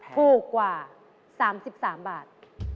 ถูกกว่า๓๓บาท